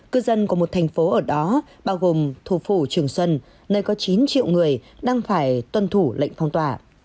cư dân của một thành phố ở đó bao gồm thủ phủ trường xuân nơi có chín triệu người đang phải tuân thủ lệnh phong tỏa